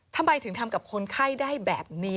ทำไมถึงทำกับคนไข้ได้แบบนี้